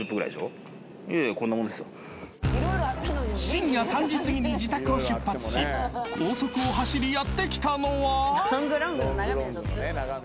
［深夜３時すぎに自宅を出発し高速を走りやって来たのは］